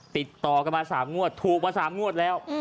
ติดต่อกันมา๓งวดถูกมา๓งวดแล้ว